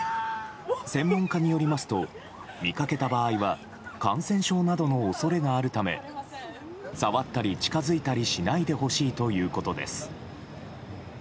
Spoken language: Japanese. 専門家によりますと見かけた場合は感染症などの恐れがあるため触ったり近づいたりしないでほしいということです。